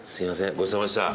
ごちそうさまでした。